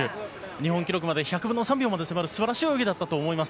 日本記録まで１００分の３秒まで迫る素晴らしい泳ぎだったと思います。